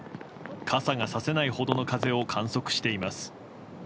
傘がさせないほどの風を観測しています。